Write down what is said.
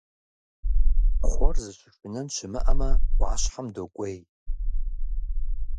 Кхъуэр зыщышынэн щымыӀэмэ, Ӏуащхьэм докӀуей.